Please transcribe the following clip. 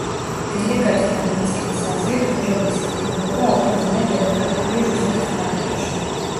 დელეგატთა ნაწილის აზრით, უმჯობესი იქნებოდა ავტონომია დემოკრატიული რუსეთის ფარგლებში.